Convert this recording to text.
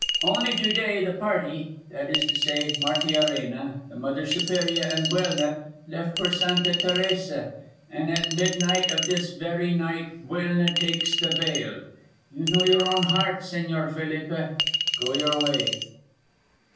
Only to day the party that is to say, Martiarena, the Mother Superior and Buelna left for Santa Teresa, and at midnight of this very night Buelna takes the veil. You know your own heart, Señor Felipe. Go your way."